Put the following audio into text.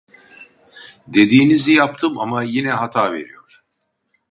Dediğinizi yaptım ama yine hata veriyor